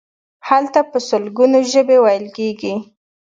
هلته په سلګونو ژبې ویل کیږي.